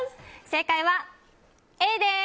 正解はＡです！